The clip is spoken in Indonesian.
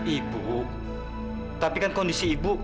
ibu tapi kan kondisi ibu